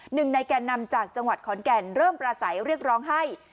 หนึ่งในแก่นำจากจังหวัดขอนแก่นเริ่มประสัยเรียกร้องให้